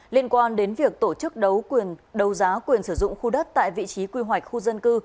liên quan đến việc tổ chức đấu giá quyền sử dụng khu đất tại vị trí quy hoạch khu dân cư